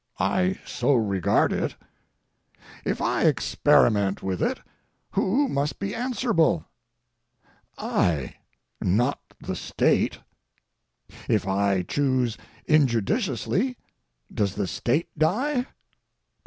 I so regard it. If I experiment with it, who must be answerable? I, not the State. If I choose injudiciously, does the State die?